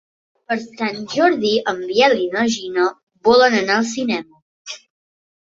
Per Sant Jordi en Biel i na Gina volen anar al cinema.